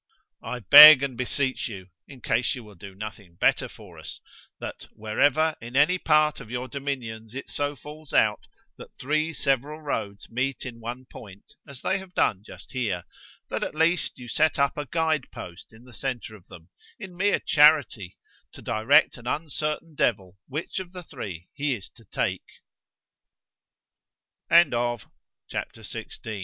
I beg and beseech you (in case you will do nothing better for us) that wherever in any part of your dominions it so falls out, that three several roads meet in one point, as they have done just here——that at least you set up a guide post in the centre of them, in mere charity, to direct an uncertain devil which of the three he is